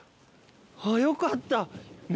あぁよかった。